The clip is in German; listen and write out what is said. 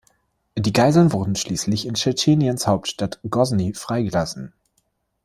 Die Geiseln wurden schließlich in Tschetscheniens Hauptstadt Grosny freigelassen.